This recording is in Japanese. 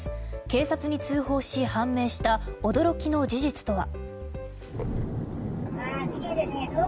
警察に通報し判明した驚きの事実とは。